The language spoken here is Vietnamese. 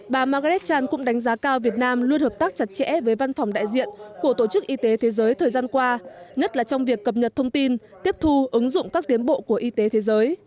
bà marge chan cũng đánh giá cao việt nam luôn hợp tác chặt chẽ với văn phòng đại diện của tổ chức y tế thế giới thời gian qua nhất là trong việc cập nhật thông tin tiếp thu ứng dụng các tiến bộ của y tế thế giới